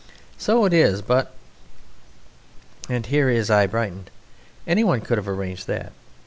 So it is, but" (and here his eye brightened), "anyone could have arranged that.